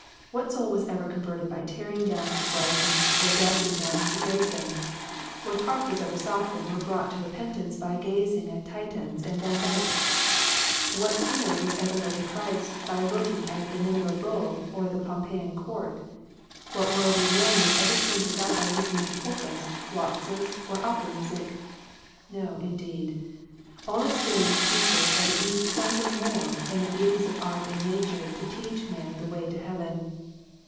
What soul was ever converted by tearing down to Brighton, or dashing down to Gravesend ? What heart was ever softened or brought to repentance by gazing at Titians and Vandykes 1 What sinner was ever led to Christ by looking at the Nineveh Bull or the Pompeian Court ? What worldly man was ever turned to God by listening to polkas, waltzes, or opera music 1 No, indeed ! all experience teaches that it needs something more than the beauties of art and nature to teach man the way to heaven.